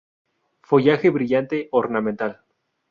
Follaje brillante, ornamental.